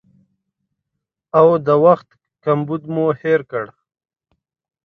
او د وخت کمبود مو هېر کړ